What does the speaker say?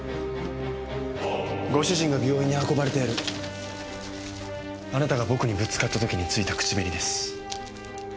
ご主人が病院に運ばれた夜あなたが僕にぶつかった時に付いた口紅です。